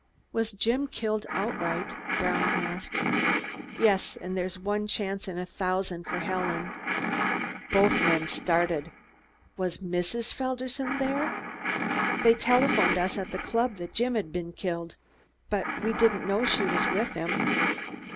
"Was Jim killed outright?" Brown asked. "Yes! And there's one chance in a thousand for Helen." Both men started. "Was Mrs. Felderson there? They telephoned us at the club that Jim had been killed, but we didn't know she was with him."